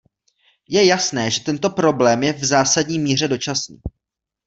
Je jasné, že tento problém je v zásadní míře dočasný.